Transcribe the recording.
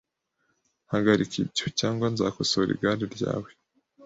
Hagarika ibyo, cyangwa nzakosora igare ryawe .